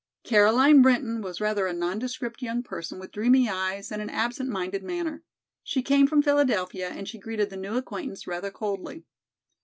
Caroline Brinton was rather a nondescript young person with dreamy eyes and an absent minded manner. She came from Philadelphia, and she greeted the new acquaintance rather coldly.